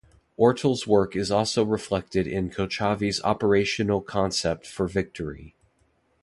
Ortal’s work is also reflected in Kochavi’s Operational Concept for Victory.